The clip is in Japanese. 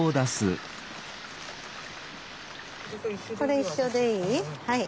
これ一緒でいい？